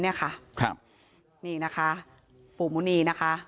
นี่นะคะปู่มูนี